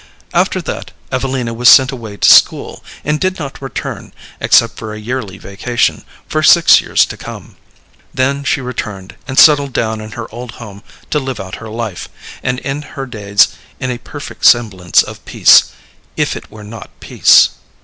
After that Evelina was sent away to school, and did not return, except for a yearly vacation, for six years to come. Then she returned, and settled down in her old home to live out her life, and end her days in a perfect semblance of peace, if it were not peace.